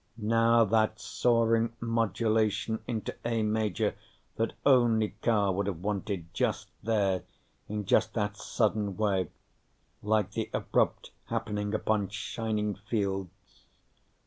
Now that soaring modulation into A Major that only Carr would have wanted just there in just that sudden way, like the abrupt happening upon shining fields.